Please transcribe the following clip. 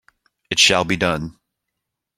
It shall be done!